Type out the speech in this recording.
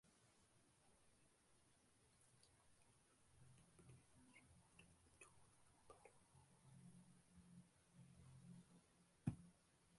புதுச்சேரி புதுவை எனவும், சென்னப்பட்டணம் சென்னை எனவும் மருவி சுருங்கி வருவது மரூஉ எனப்படும்.